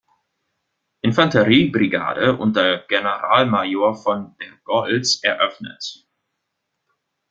Infanteriebrigade unter Generalmajor von der Goltz eröffnet.